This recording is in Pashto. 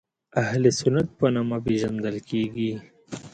اهل سنت په نامه پېژندل کېږي.